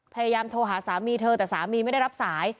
พยายามโทรหาสามีเธอแต่สามีไม่ได้รับสาย